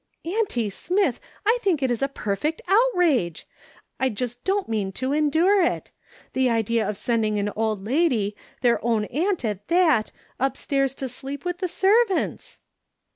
" Auntie Smith, I think it is a perfect outrage ! I just don't mean to* endure it. The idea of sending an old lady, their own aunt at that, upstairs to sleep with the servants